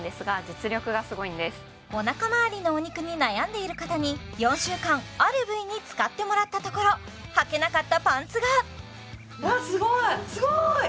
お腹まわりのお肉に悩んでいる方に４週間ある部位に使ってもらったところはけなかったパンツがあすごいすごい！